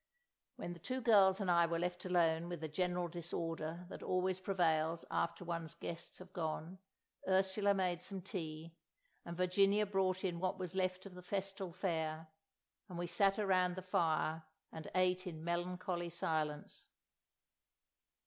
When the two girls and I were left alone with the general disorder that always prevails after one's guests have gone, Ursula made some tea, and Virginia brought in what was left of the festal fare, and we sat around the fire and ate in melancholy silence.